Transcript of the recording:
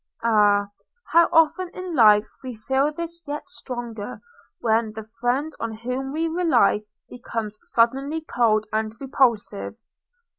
– Ah! how often in life we feel this yet stronger, when the friend on whom we rely becomes suddenly cold and repulsive!